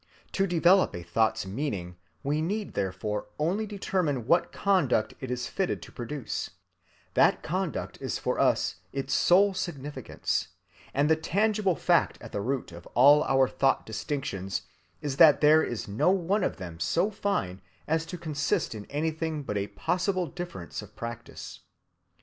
To develop a thought's meaning we need therefore only determine what conduct it is fitted to produce; that conduct is for us its sole significance; and the tangible fact at the root of all our thought‐ distinctions is that there is no one of them so fine as to consist in anything but a possible difference of practice.